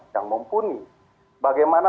yang mumpuni bagaimana